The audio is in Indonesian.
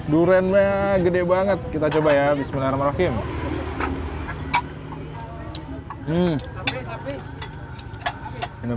durennya gede banget kita coba bismillahirrahmanirrahim